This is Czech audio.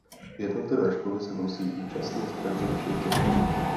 Jednotlivé školy se musí účastnit každoročních testů.